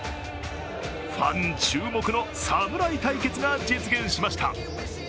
ファン注目の侍対決が実現しました。